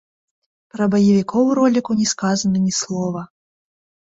Пра баевікоў у роліку не сказана ні слова.